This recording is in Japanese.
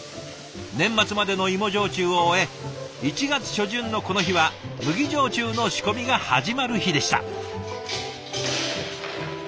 年末までの芋焼酎を終え１月初旬のこの日は麦焼酎の仕込みが始まる日でした。